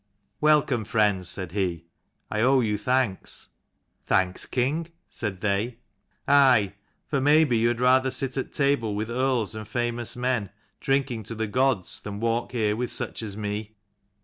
" Welcome, friends," said he. " I owe you thanks." " Thanks, king? " said they. " Aye : for maybe you had rather sit at table with earls and famous men, drinking to the gods, than walk here with such as me